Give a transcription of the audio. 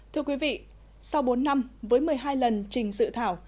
thưa quý vị sau bốn năm với một mươi hai lần trình dự thảo